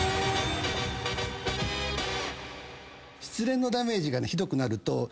失恋のダメージがひどくなると。